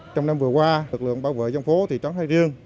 trong năm vừa qua lực lượng bảo vệ dân phố thị trấn nói riêng